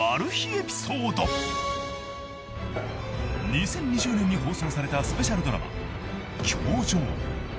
［２０２０年に放送されたスペシャルドラマ『教場』］